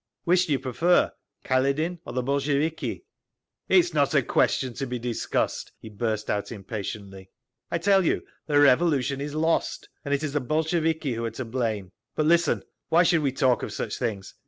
"Which do you prefer—Kaledin or the Bolsheviki?" "It is not a question to be discussed!" he burst out impatiently. "I tell you, the Revolution is lost. And it is the Bolsheviki who are to blame. But listen—why should we talk of such things?